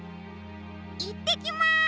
いってきます！